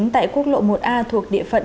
tại quốc lộ một a thuộc địa phận